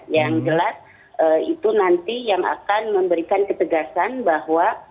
yang jelas itu nanti yang akan memberikan ketegasan bahwa